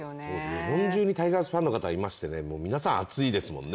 日本中にタイガースファンがいまして皆さん、熱いですね